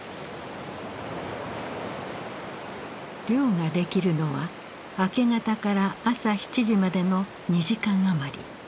漁ができるのは明け方から朝７時までの２時間余り。